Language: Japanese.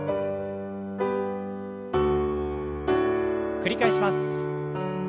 繰り返します。